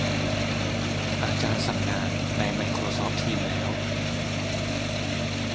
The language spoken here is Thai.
อาจารย์สั่งงานในไมโครซอฟท์ ทีมส์ แล้ว